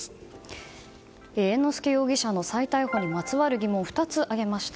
猿之助容疑者の再逮捕にまつわる疑問を２つ挙げました。